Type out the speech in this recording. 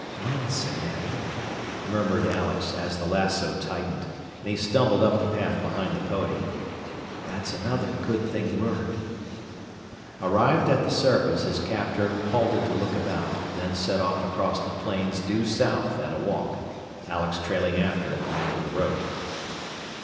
"Munson, eh?" murmured Alex as the lassoo tightened, and he stumbled up the path behind the pony. "That's another good thing learned." Arrived at the surface, his captor halted to look about, then set off across the plains due south, at a walk, Alex trailing after at the end of the rope.